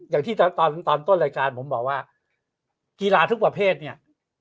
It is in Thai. อย่างที่ตอนต้นรายการผมบอกว่ากีฬาทุกประเภทเนี่ย